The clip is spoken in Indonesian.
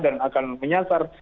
dan akan menyasar